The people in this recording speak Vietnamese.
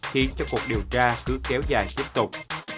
khiến cho cuộc điều tra cứ kéo dài tiếp tục